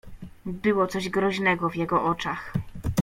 "Było coś groźnego w jego oczach."